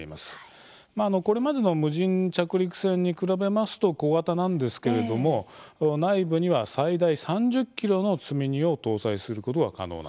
これまでの無人着陸船に比べますと小型なんですけれども内部には最大３０ｋｇの積み荷を搭載することが可能なんですね。